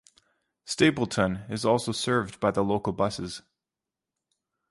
Stapleton is also served by the local buses.